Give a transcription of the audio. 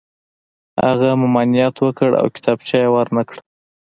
هغه ممانعت وکړ او کتابچه یې ور نه کړه